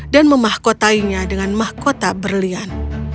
dan memahkotainya dengan mahkota berlian